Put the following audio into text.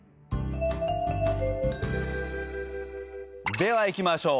ではいきましょう。